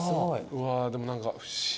うわでも何か不思議な。